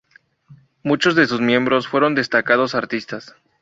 Muchos de sus miembros fueron destacados artistas.